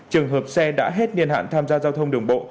trường hợp xe đã hết niên hạn tham gia giao thông đường bộ